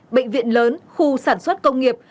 bệnh viện lớn khu sản xuất công nghiệp